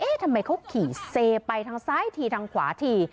ทำไมเขาขี่เซไปทางซ้ายทีทางขวาที